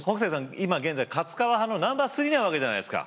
今現在勝川派のナンバー３なわけじゃないですか。